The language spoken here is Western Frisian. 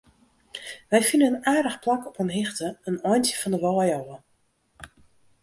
Wy fine in aardich plak op in hichte, in eintsje fan 'e wei ôf.